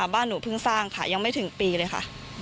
บ้านหนูเพิ่งสร้างค่ะยังไม่ถึงปีเลยค่ะ